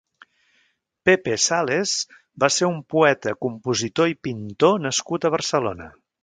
Pepe Sales va ser un poeta, compositor i pintor nascut a Barcelona.